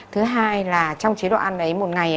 thứ hai là trong chế độ ăn đấy một ngày